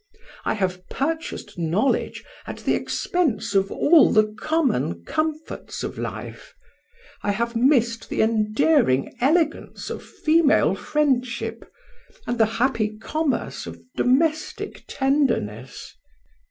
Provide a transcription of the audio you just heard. I have purchased knowledge at the expense of all the common comforts of life; I have missed the endearing elegance of female friendship, and the happy commerce of domestic tenderness.